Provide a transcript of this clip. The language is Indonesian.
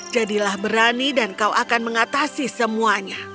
jadilah berani dan kau akan mengatasi semuanya